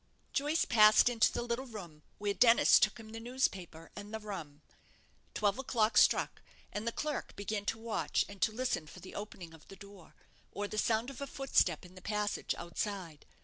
Joyce passed into the little room, where Dennis took him the newspaper and the rum. Twelve o'clock struck, and the clerk began to watch and to listen for the opening of the door, or the sound of a footstep in the passage outside.